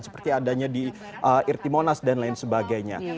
seperti adanya di irti monas dan lain sebagainya